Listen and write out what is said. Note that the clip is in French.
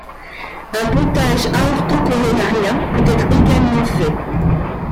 Un pontage aorto-coronarien peut être également fait.